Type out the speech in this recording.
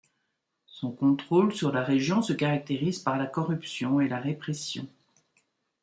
Son contrôle sur la région se caractérise par la corruption et la répression.